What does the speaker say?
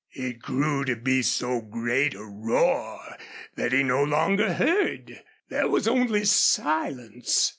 It grew to be so great a roar that he no longer heard. There was only silence.